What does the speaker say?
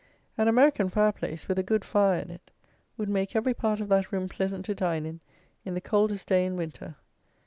An American fire place, with a good fire in it, would make every part of that room pleasant to dine in in the coldest day in winter.